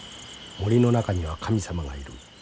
「森の中には神様がいる。